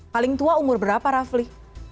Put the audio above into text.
paling tua umur berapa rafli